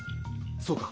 そうか。